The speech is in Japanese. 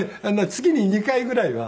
月に２回ぐらいは。